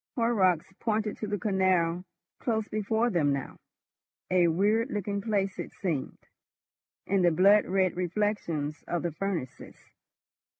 Horrocks pointed to the canal close before them now: a weird looking place it seemed, in the blood red reflections of the furnaces.